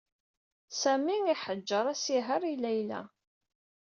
Sami iḥeǧǧeṛ asihaṛ i Layla.